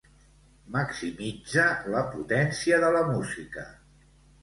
Maximitza la potència de la música.